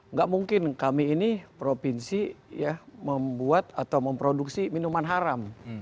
nggak mungkin kami ini provinsi membuat atau memproduksi minuman haram